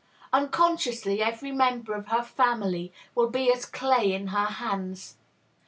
Unconsciously, every member of her family will be as clay in her hands.